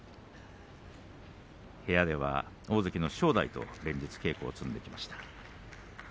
部屋では大関の正代と連日稽古を積んできました。